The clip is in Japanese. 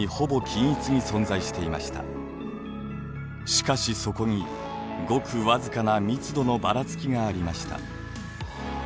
しかしそこにごくわずかな「密度のばらつき」がありました。